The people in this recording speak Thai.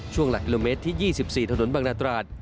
ช่วงหลักกิโลเมตรที่๒๔ถนนบางนาตราด